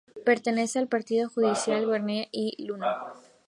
Pertenece al partido judicial de Guernica y Luno.